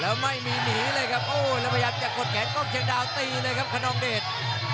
แล้วไม่มีหนีเลยครับโอ้แล้วพยายามจะกดแขนกล้องเชียงดาวตีเลยครับคนนองเดช